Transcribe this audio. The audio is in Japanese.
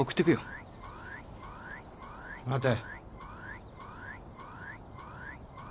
待て。